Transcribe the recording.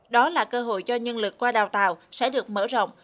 đó là cơ hội cho nhân lực qua đào tạo sẽ được mở rộng